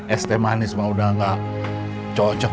es teh manis memang sudah tidak cocok